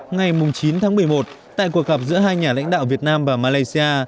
ngày chín tháng một mươi một tại cuộc gặp giữa hai nhà lãnh đạo việt nam và malaysia